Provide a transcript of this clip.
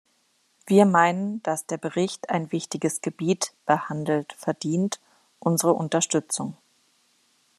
Wir meinen, dass der Bericht ein wichtiges Gebiet behandeltverdient unsere Unterstützung.